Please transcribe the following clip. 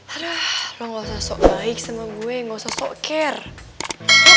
aduh lo gak usah sok baik sama gue gak usah sok care